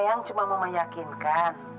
eang cuma mau meyakinkan